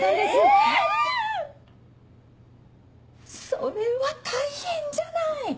それは大変じゃない！